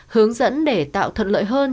hướng dẫn để tạo thuận lợi hơn